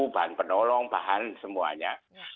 bahan penolong bahan semuanya